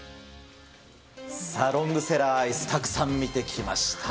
さあ、ロングセラーアイス、たくさん見てきました。